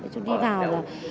chúng đi vào là